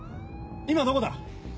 今どこだ？